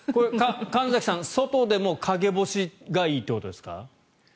神崎さん、外でも陰干しがいいということですか？